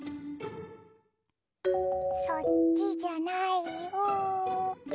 そっちじゃないよ。